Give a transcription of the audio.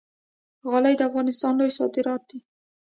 غالۍ د افغانستان لوی صادرات دي